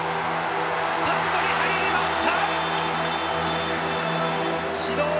スタンドに入りました！